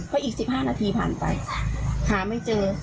เพราะอีก๑๕นาทีผ่านไปหาไม่เจอ